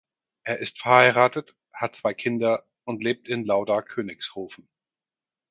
Er ist verheiratet, hat zwei Kinder und lebt in Lauda-Königshofen.